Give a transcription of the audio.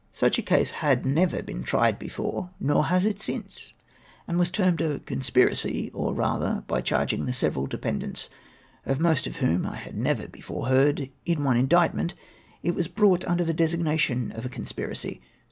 Such a case had never been tried before, nor has it since — and was termed a " conspiracy ;" or rather, by charging the several defendants — of most of whom I had never before heard — in one indictment, it was brought under the designation of a " conspiracy."